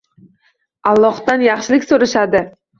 Allohdan yaxshilik so‘rashadi.